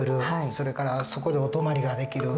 それからそこでお泊まりができる。